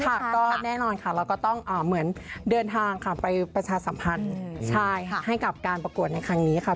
ค่ะก็แน่นอนค่ะเราก็ต้องเหมือนเดินทางค่ะไปประชาสัมพันธ์ใช่ค่ะให้กับการประกวดในครั้งนี้ค่ะ